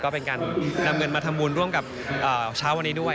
ก็เป็นการนำเงินมาทำบุญร่วมกับเช้าวันนี้ด้วย